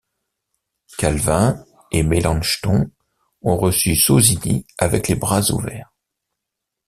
Calvin et Melanchthon ont reçu Sozzini avec les bras ouverts.